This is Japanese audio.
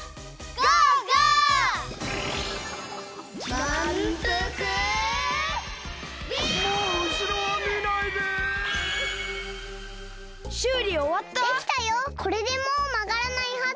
これでもうまがらないはず！